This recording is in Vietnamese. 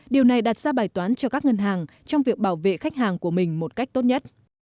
điều này đặt ra bài toán cho các ngân hàng trong việc bảo vệ khách hàng của mình một cách tốt nhất